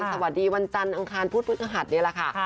สวัสดีวันจันทร์อังคารพุธพฤกษหัสนี่แหละค่ะ